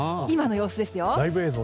今の様子ですよ。